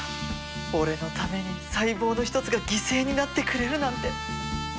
俺のために細胞の１つが犠牲になってくれるなんて。